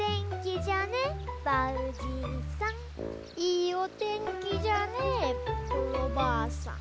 いいおてんきじゃねえコロばあさん。